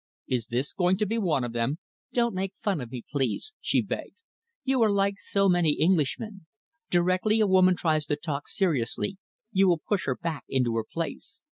"Is this going to be one of them?" "Don't make fun of me, please," she begged, "You are like so many Englishmen. Directly a woman tries to talk seriously, you will push her back into her place.